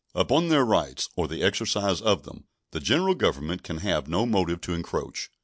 Upon their rights or the exercise of them the General Government can have no motive to encroach.